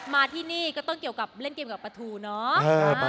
มาที่นี่ก็ต้องเล่นเกมกับปทูเนาะ